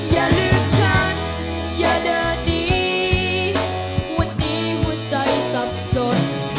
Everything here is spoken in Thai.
อย่าลืมฉันอย่าเดินดีวันนี้หัวใจสับสน